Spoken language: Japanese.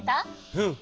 うん。